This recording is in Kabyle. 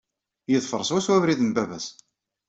Yeḍfeṛ swaswa abrid n baba-s.